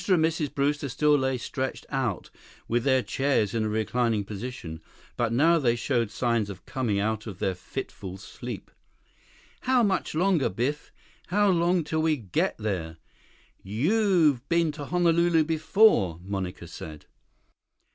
and Mrs. Brewster still lay stretched out with their chairs in a reclining position, but now they showed signs of coming out of their fitful sleep. "How much longer, Biff? How long till we get there? You've been to Honolulu before," Monica said.